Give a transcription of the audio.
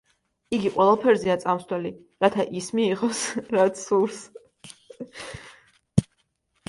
იგი ყველაფერზეა წამსვლელი, რათა ის მიიღოს, რაც სურს.